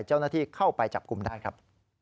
เจ้าหน้าที่เข้าไปจับกลุ่มได้ครับ